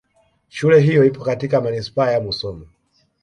Shule hiyo ipo katika Manispaa ya Musoma